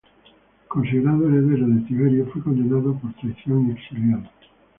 Considerado heredero de Tiberio, fue condenado por traición y exiliado.